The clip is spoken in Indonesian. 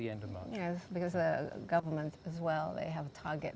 karena pemerintah juga memiliki target